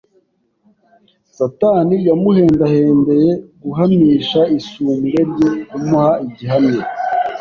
Satani yamuhendahendeye guhamisha isumbwe rye kumuha igihamya